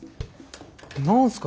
何すか？